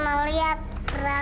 bau gigong tersen